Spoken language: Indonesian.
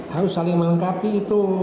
harus saling melengkapi itu